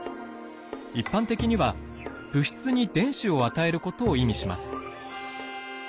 一般的には物質に電子を与えることを意味します。